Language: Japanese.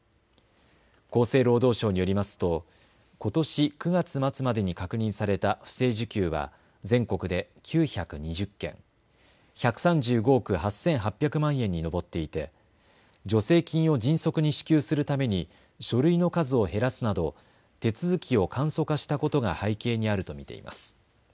厚生労働省によりますとことし９月末までに確認された不正受給は全国で９２０件、１３５億８８００万円に上っていて助成金を迅速に支給するために書類の数を減らすなど手続きを簡素化したことが背景にあると見ています。